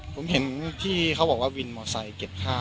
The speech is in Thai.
ผมเห็นที่เขาบอกว่าวินมอไซคเก็บข้าว